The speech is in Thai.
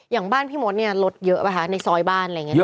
อย่างบ้านพี่มดเนี่ยรถเยอะป่ะคะในซอยบ้านอะไรอย่างนี้